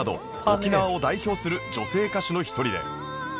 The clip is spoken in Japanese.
沖縄を代表する女性歌手の一人で